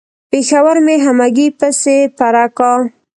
پېښور مې همګي پسې پره کا.